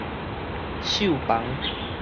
繡房